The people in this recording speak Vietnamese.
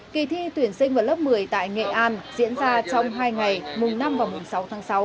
kỳ thi tuyển sinh vào lớp một mươi tại nghệ an diễn ra trong hai ngày mùng năm và mùng sáu tháng sáu